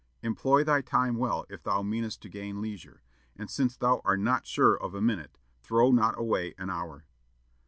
"Employ thy time well if thou meanest to gain leisure; and since thou art not sure of a minute, throw not away an hour."